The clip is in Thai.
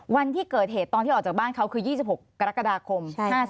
วันที่เกิดเหตุตอนที่ออกจากบ้านเขาคือ๒๖กรกฎาคม๕๔